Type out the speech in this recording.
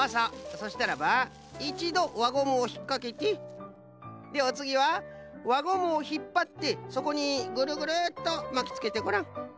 そしたらばいちどわゴムをひっかけてでおつぎはわゴムをひっぱってそこにぐるぐるっとまきつけてごらん。